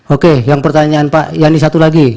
oke yang pertanyaan pak yani satu lagi